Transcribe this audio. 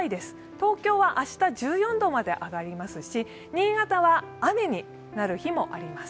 東京は明日１４度まで上がりますし、新潟は雨になる日もあります。